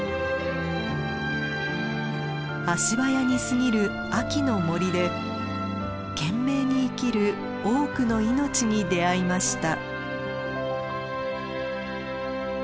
足早に過ぎる秋の森で懸命に生きる多くの命に出会いました。